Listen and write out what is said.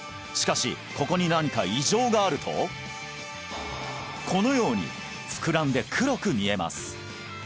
しかしここに何か異常があるとこのように膨らんで黒く見えます